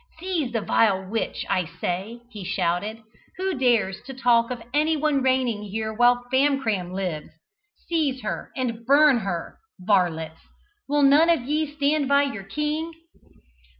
"Seize the vile witch, I say!" he shouted. "Who dares to talk of any one reigning here while Famcram lives? Seize her and burn her! Varlets! Will none of ye stand by your king?"